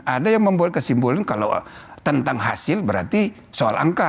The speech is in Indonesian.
ada yang membuat kesimpulan kalau tentang hasil berarti soal angka